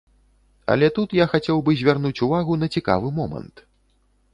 Але тут я хацеў бы звярнуць увагу на цікавы момант.